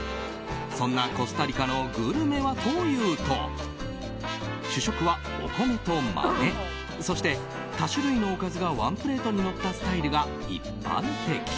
そんなコスタリカのグルメはというと主食は、お米と豆そして多種類のおかずがワンプレートにのったスタイルが一般的。